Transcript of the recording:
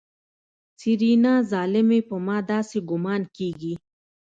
سېرېنا ظالمې په ما داسې ګومان کېږي.